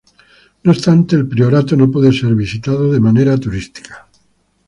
No obstante, el priorato no puede ser visitado de manera turística.